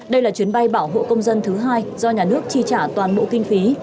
đây là chuyến bay bảo hộ công dân thứ hai do nhà nước chi trả toàn bộ kinh phí